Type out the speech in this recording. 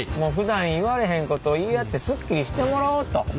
ふだん言われへんことを言い合ってすっきりしてもらおうと。